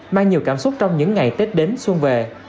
mang nhiều cảm xúc trong những ngày tết đến xuân về